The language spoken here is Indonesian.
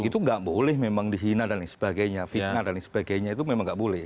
itu nggak boleh memang dihina dan lain sebagainya fitnah dan sebagainya itu memang nggak boleh